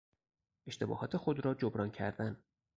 اشتباهات خود را جبران کردن